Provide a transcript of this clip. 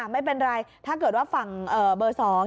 ไม่เป็นไรถ้าเกิดว่าฝั่งเบอร์๒